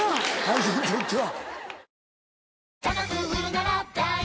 いつにとっては。